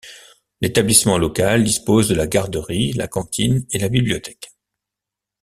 L'établissement local dispose de la garderie, la cantine et la bibliothèque.